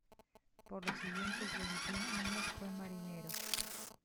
Por los siguientes veintiún años, fue marinero.